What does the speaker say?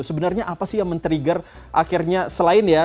sebenarnya apa sih yang men trigger akhirnya selain ya